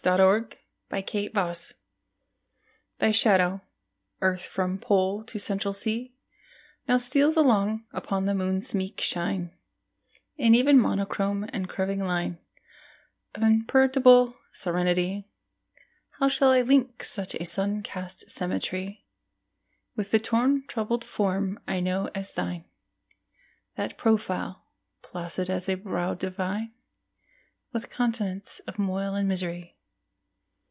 AT A LUNAR ECLIPSE THY shadow, Earth, from Pole to Central Sea, Now steals along upon the Moon's meek shine In even monochrome and curving line Of imperturbable serenity. How shall I link such sun cast symmetry With the torn troubled form I know as thine, That profile, placid as a brow divine, With continents of moil and misery?